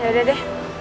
ya udah deh